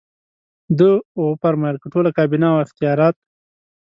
ده وفرمایل که ټوله کابینه او اختیارات.